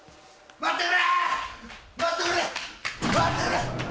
待ってくれ！